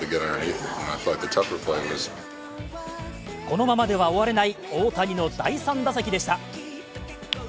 このままでは終われない大谷の第３打席でした。